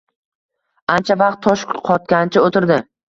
Ancha vaqt tosh qotgancha oʻtirdi